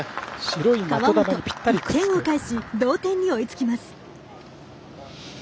河本、１点を返し同点に追いつきます。